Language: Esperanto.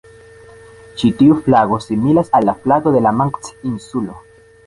Ĉi tiu flago similas al la flago de la Manks-insulo.